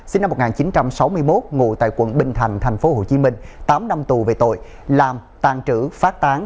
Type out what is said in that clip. sinh năm một nghìn chín trăm sáu mươi một ngụ tại quận bình thành tp hcm tám năm tù về tội làm tàn trữ phát tán